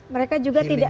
mereka juga tidak